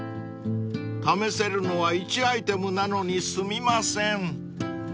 ［試せるのは１アイテムなのにすみません］